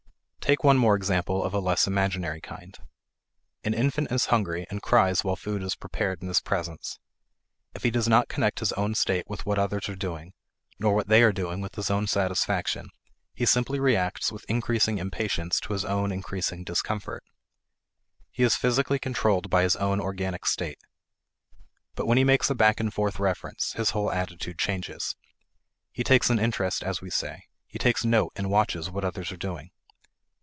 Take one more example of a less imaginary kind. An infant is hungry, and cries while food is prepared in his presence. If he does not connect his own state with what others are doing, nor what they are doing with his own satisfaction, he simply reacts with increasing impatience to his own increasing discomfort. He is physically controlled by his own organic state. But when he makes a back and forth reference, his whole attitude changes. He takes an interest, as we say; he takes note and watches what others are doing.